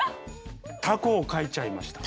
タコを描いちゃいました。